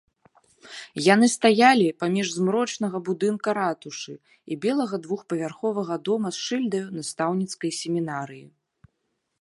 Яны стаялі паміж змрочнага будынка ратушы і белага двухпавярховага дома з шыльдаю настаўніцкай семінарыі.